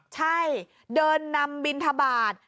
ใช่เดินนำบินทบาท